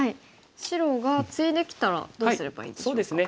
白がツイできたらどうすればいいでしょうか？